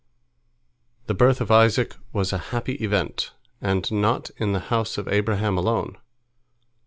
The birth of Isaac was a happy event, and not in the house of Abraham alone.